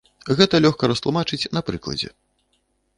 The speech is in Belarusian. Гэта лёгка растлумачыць на прыкладзе.